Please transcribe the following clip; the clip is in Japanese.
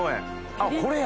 あっこれや。